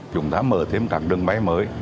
chúng ta mở thêm các đường bay mới